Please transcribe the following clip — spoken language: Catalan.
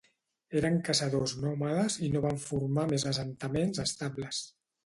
Eren caçadors nòmades i no van formar més assentaments estables.